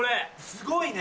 すごいね。